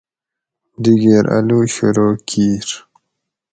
دِگیر الو شروع کِیر